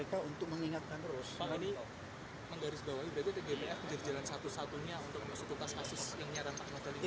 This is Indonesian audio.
apakah ini menggaris bawah itu tgpf jalan satu satunya untuk masuk ke paskasis yang nyaran pak maksel ini